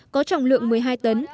có trọng lượng một mươi hai tấn